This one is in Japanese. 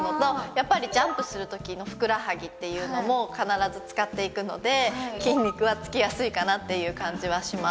やっぱりジャンプする時のふくらはぎっていうのも必ず使っていくので筋肉はつきやすいかなっていう感じはします。